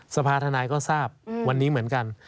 สภาธนายก็ทราบวันนี้เหมือนกัน